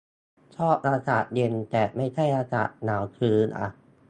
ชอบอากาศเย็น แต่ไม่ใช่อากาศหนาวชื้นอะ